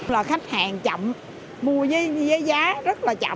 là khách hàng chậm mua với giá rất là chậm